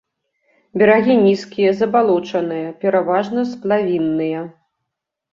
Берагі нізкія, забалочаныя, пераважна сплавінныя.